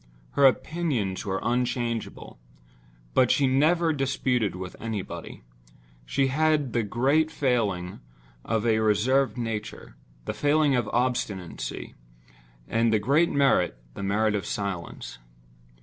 Her opinions were unchangeable—but she never disputed with anybody. She had the great failing of a reserved nature—the failing of obstinacy; and the great merit—the merit of silence.